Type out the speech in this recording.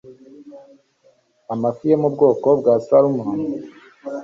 Amafi yo mu bwoko bwa Salmon